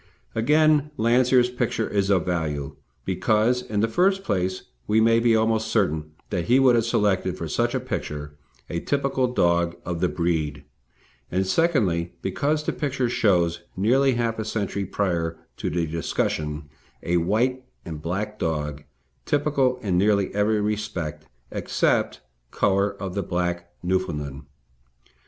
Again Landseer's picture is of value, because, in the first place, we may be almost certain that he would have selected for such a picture a typical dog of the breed, and, secondly, because the picture shows, nearly half a century prior to the discussion, a white and black dog, typical in nearly every respect, except colour, of the black Newfoundland.